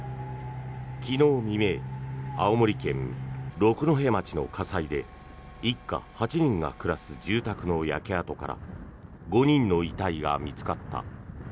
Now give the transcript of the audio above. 昨日未明、青森県六戸町の火災で一家８人が暮らす住宅の焼け跡から５人の遺体が見つかった。